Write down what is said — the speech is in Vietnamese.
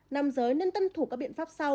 năm giới nên tân thủ các biện pháp sau